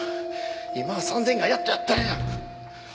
今は３０００がやっとやったんや。